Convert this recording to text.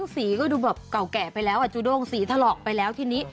สีดูแบบเก่าแก่ไปแล้วอัจจุดงสีทะเลาะไปแล้วทีนี้